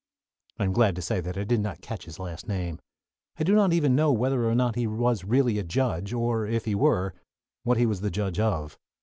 I am glad to say that I did not catch his last name. I do not even know whether or not he was really a judge, or, if he were, what he was a judge of.